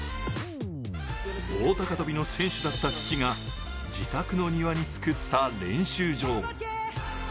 棒高跳びの選手だった父が自宅の庭につくった練習場。